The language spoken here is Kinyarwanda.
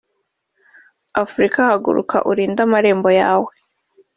“Afurika haguruka urinde amarembo yawe